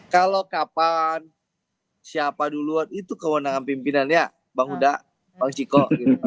kalau kapan siapa duluan itu kewenangan pimpinannya bang huda bang ciko